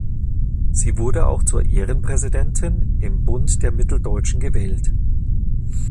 Sie wurde auch zur Ehrenpräsidentin im Bund der Mitteldeutschen gewählt.